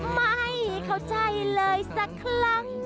ไม่เข้าใจเลยสักครั้ง